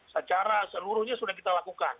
secara seluruhnya sudah kita lakukan